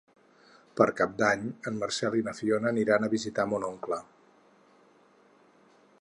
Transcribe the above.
Per Cap d'Any en Marcel i na Fiona aniran a visitar mon oncle.